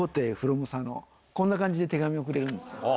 こんな感じで手紙をくれるんですよ。